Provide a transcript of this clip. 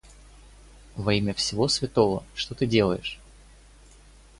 Во имя всего святого, что ты делаешь!?